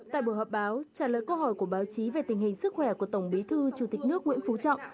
tại buổi họp báo trả lời câu hỏi của báo chí về tình hình sức khỏe của tổng bí thư chủ tịch nước nguyễn phú trọng